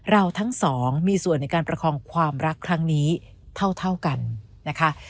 เราทั้งสองมีส่วนในการประคองความรักครั้งนี้เท่ากันนะคะ